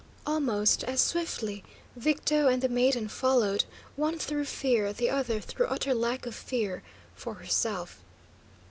Almost as swiftly, Victo and the maiden followed, one through fear, the other through utter lack of fear, for herself.